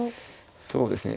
そうですね。